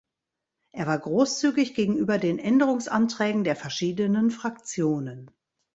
Er war großzügig gegenüber den Änderungsanträgen der verschiedenen Fraktionen.